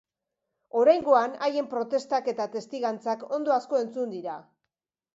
Oraingoan haien protestak eta testigantzak ondo asko entzun dira.